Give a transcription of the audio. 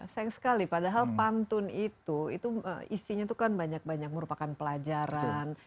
sayang sekali padahal pantun itu itu isinya itu kan banyak banyak merupakan pelajaran